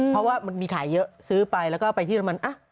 เพราะว่ามันมีขายเยอะซื้อไปแล้วก็ไปที่เรมัน